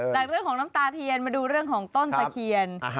จากเรื่องของน้ำตาเทียนมาดูเรื่องของต้นตะเคียน